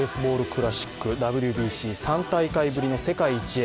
クラシック、ＷＢＣ、３大会ぶりの世界一へ。